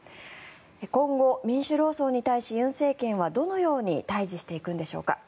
今後、民主労総に対し尹政権はどのように対峙していくのでしょうか。